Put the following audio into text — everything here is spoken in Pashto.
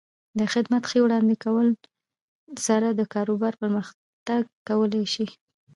د خدمت ښې وړاندې کولو سره د کاروبار پرمختګ کولی شي.